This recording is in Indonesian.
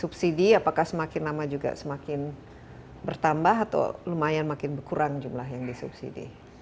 subsidi apakah semakin lama juga semakin bertambah atau lumayan makin berkurang jumlah yang disubsidi